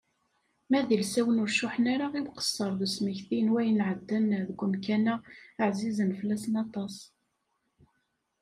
Ma d ilsawen ur cuḥḥen ara i uqesser d usmeki n wayen sɛeddan deg umkan-a ɛzizen fell-asen aṭas.